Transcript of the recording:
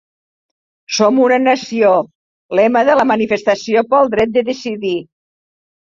Som una nació, lema de la manifestació pel dret de decidir.